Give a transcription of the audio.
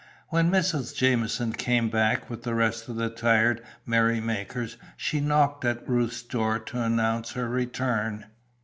When Mrs. Jamieson came back with the rest of the tired merry makers she knocked at Ruth's door to announce her return.